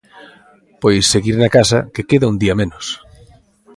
Pois, seguir na casa, que queda un día menos.